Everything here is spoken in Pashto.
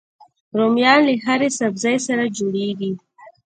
رومیان له هرې سبزي سره جوړيږي